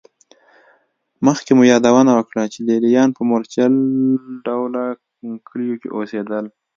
مخکې مو یادونه وکړه چې لېلیان په مورچل ډوله کلیو کې اوسېدل